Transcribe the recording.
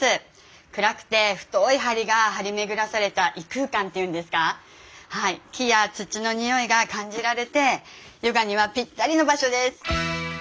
暗くて太い梁が張り巡らされた異空間っていうんですかはい木や土の匂いが感じられてヨガにはぴったりの場所です！